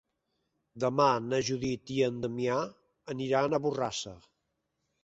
Demà na Judit i en Damià aniran a Borrassà.